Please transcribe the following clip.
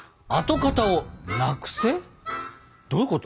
どういうこと？